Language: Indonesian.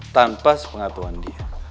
tanpa sepengatuan dia